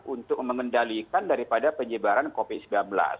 untuk mengendalikan daripada penyebaran covid sembilan belas